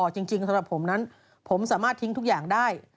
จริงสำหรับผมนั้นผมสามารถทิ้งทุกอย่างได้